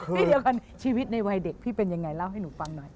พี่เดี๋ยวก่อนชีวิตในวัยเด็กพี่เป็นอย่างไรเล่าให้หนูฟังหน่อย